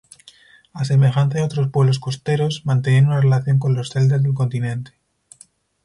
A semejanza de otros pueblos costeros, mantenían una relación con los celtas del continente.